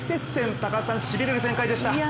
高橋さん、しびれる展開でした。